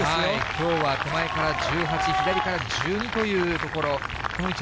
きょうは手前から１８、左から１２というところ。